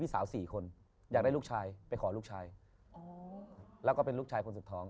สาว๔คนอยากได้ลูกชายไปขอลูกชายแล้วก็เป็นลูกชายคนสุดท้อง